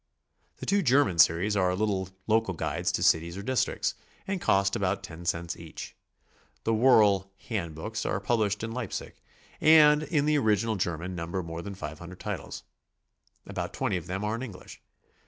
The two German series are little local guides to cities or districts, and cost about ten cents each. The Woerl "hand books" are published in Leipsic, and in the original German number more than 500 titles. About 20 of them are in Eng lish.